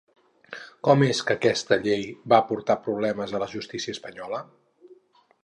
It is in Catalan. Com és que aquesta llei va portar problemes a la justícia espanyola?